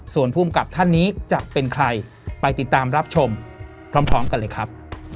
ส่วนภูมิกับท่านนี้จะเป็นใครไปติดตามรับชมพร้อมกันเลยครับ